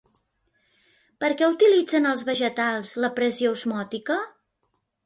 Per què utilitzen els vegetals la pressió osmòtica?